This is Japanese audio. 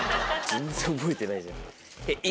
全然覚えてないじゃん。